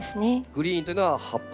グリーンというのは葉っぱ。